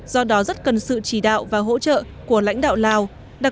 do đó rất cần sự chỉ đạo và hỗ trợ của lãnh đạo lào